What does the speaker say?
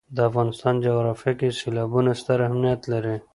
د افغانستان جغرافیه کې سیلابونه ستر اهمیت لري.